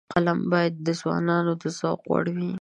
فلم باید د ځوانانو د ذوق وړ وي